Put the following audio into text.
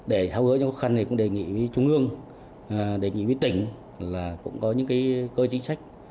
để thao hứa cho khó khăn thì cũng đề nghị với trung ương đề nghị với tỉnh là cũng có những cái cơ chính sách